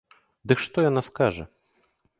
Ды што яна скажа?!